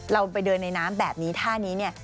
เราไปเดินในน้ำแบบนี้ท่านี้เนี่ย